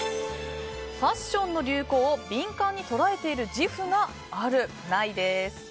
ファッションの流行を敏感に捉えている自負がある、ないです。